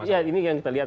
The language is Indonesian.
ya ini yang kita lihat